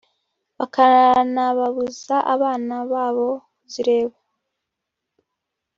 bakanabuza abana babo kuzireba